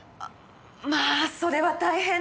まあそれは大変ね。